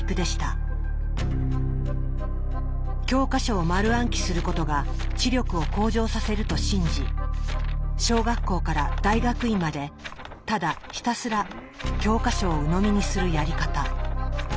教科書を丸暗記することが知力を向上させると信じ小学校から大学院までただひたすら教科書をうのみにするやり方。